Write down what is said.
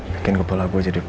bikin kepala gue jadi